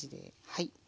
はい。